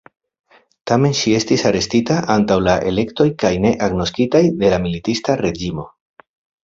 Tamen ŝi estis arestita antaŭ la elektoj kaj ne agnoskitaj de la militista reĝimo.